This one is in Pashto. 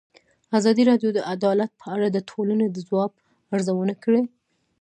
ازادي راډیو د عدالت په اړه د ټولنې د ځواب ارزونه کړې.